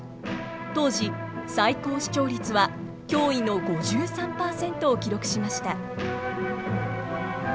当時最高視聴率は驚異の５３％を記録しました。